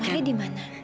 kamarnya di mana